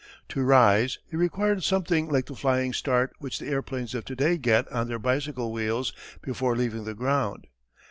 To rise he required something like the flying start which the airplanes of to day get on their bicycle wheels before leaving the ground.